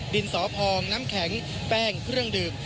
ดินสะพองน้ำแข็งแป้งเครื่องดึก